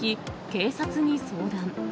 警察に相談。